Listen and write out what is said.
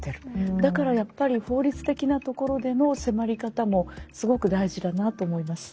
だからやっぱり法律的なところでの迫り方もすごく大事だなと思います。